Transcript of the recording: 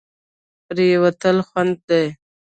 پرېوتل خوند دی.